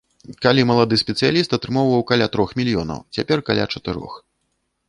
Калі малады спецыяліст атрымоўваў каля трох мільёнаў, цяпер каля чатырох.